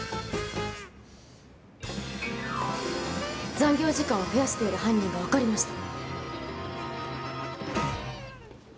残業時間を増やしている犯人がわかりました。